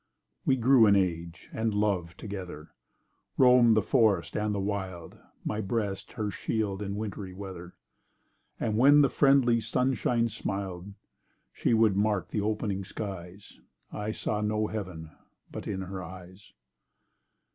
We grew in age—and love—together, Roaming the forest, and the wild; My breast her shield in wintry weather— And, when the friendly sunshine smil'd, And she would mark the opening skies, I saw no Heaven—but in her eyes.